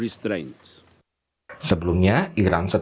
sebelumnya iran setelah mengembang